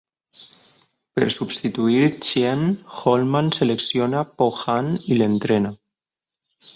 Per substituir Chien, Holman selecciona Po-Han i l'entrena.